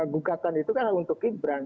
gugatan itu kan untuk gibran